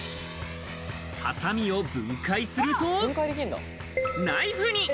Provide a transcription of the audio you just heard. ハサミを分解すると、ナイフに。